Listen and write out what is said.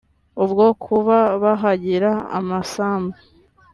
ubwo kuba bahagira amasambu